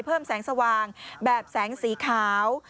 เพิ่มแสงสว่างแบบแสงสีขาว